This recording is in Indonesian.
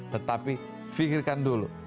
tetapi pikirkan dulu